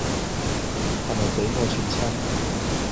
係咪畀我串親